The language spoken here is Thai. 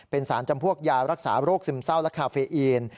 เป็นสารจำพวกยารักษาโรคซึมเศร้าและคาเฟอีน